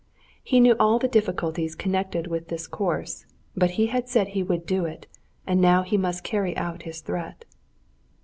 He knew all the difficulties connected with this course, but he had said he would do it, and now he must carry out his threat.